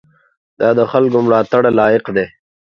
دا د خلکو ملاتړ لایق دی.